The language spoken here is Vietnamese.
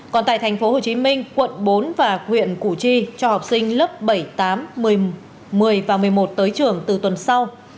còn tại tp hcm quận bốn và huyện củ chi cho học sinh lớp bảy tám một mươi và một mươi một tới trường từ tuần sau